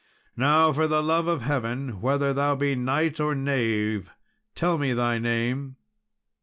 Now, for the love of heaven, whether thou be knight or knave, tell me thy name."